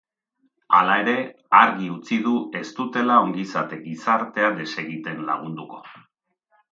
Hala ere, argi utzi du ez dutela ongizate gizartea desegiten lagunduko.